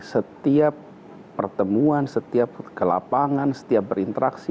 setiap pertemuan setiap kelapangan setiap berinteraksi